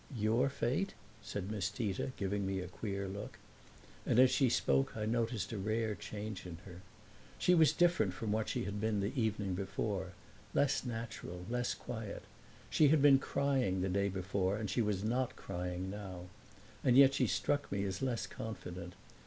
"Your fate?" said Miss Tita, giving me a queer look; and as she spoke I noticed a rare change in her. She was different from what she had been the evening before less natural, less quiet. She had been crying the day before and she was not crying now, and yet she struck me as less confident.